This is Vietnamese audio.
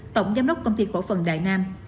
tổng giám đốc công ty khổ phần đại nam